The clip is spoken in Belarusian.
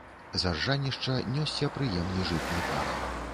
З аржанішча нёсся прыемны жытні пах.